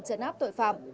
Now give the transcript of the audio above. chấn áp tội phạm